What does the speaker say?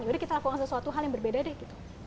yaudah kita lakukan sesuatu hal yang berbeda deh gitu